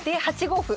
８五歩。